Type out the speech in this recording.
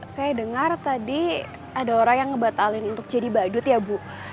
saya dengar tadi ada orang yang ngebatalin untuk jadi badut ya bu